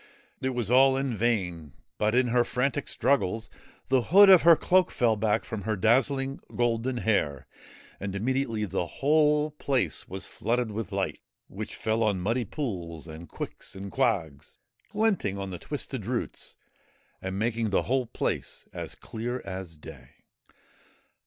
It was all in vain, but, in her frantic struggles, the hood of her cloak fell back from her dazzling golden hair, and immediately the whole place was flooded with light, which fell on muddy pools and quicks and quags, glinting on the twisted roots and making the whole place as clear as day.